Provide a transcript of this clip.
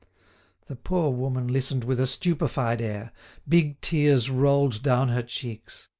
The poor woman listened with a stupefied air; big tears rolled down her cheeks.